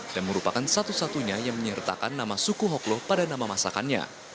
dan merupakan satu satunya yang menyertakan nama suku hoklo pada nama masakannya